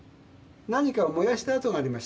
何かを燃やした跡がありました。